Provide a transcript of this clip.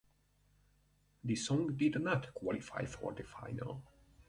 The song did not qualify for the final.